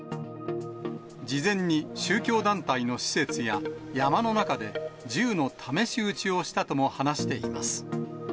事前に宗教団体の施設や山の中で、銃の試し撃ちをしたとも話しています。